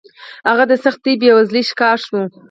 هغه د سختې بېوزلۍ ښکار شوی و